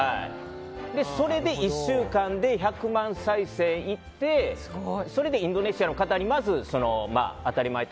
それで１週間で１００万再生いってそれでインドネシアの方にあたりまえ